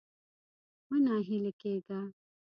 مه ناهيلی کېږه.